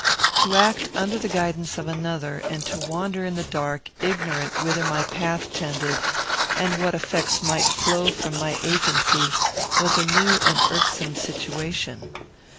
To act under the guidance of another, and to wander in the dark, ignorant whither my path tended and what effects might flow from my agency, was a new and irksome situation.